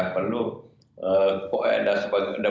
perlu koedas dan sebagainya